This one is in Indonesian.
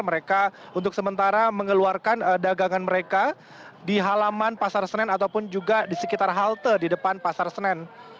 mereka untuk sementara mengeluarkan dagangan mereka di halaman pasar senen ataupun juga di sekitar halte di depan pasar senen